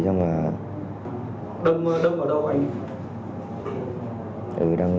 đông ở đâu anh